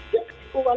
ya itu uang